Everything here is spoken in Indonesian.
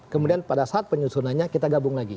kemudian pada saat penyusunannya kita sudah menyiapkan